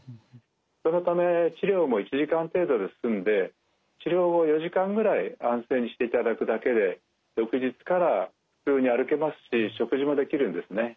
そのため治療も１時間程度で済んで治療後４時間ぐらい安静にしていただくだけで翌日から普通に歩けますし食事もできるんですね。